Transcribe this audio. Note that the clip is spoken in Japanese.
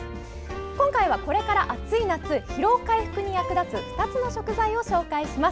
今回は、これから暑い夏疲労回復に役立つ２つの食材を紹介します。